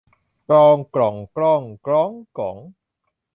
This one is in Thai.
กลอง กล่อง กล้อง กล๊อง กล๋อง